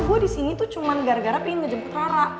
gue disini tuh cuma gara gara pingin ngejemput rara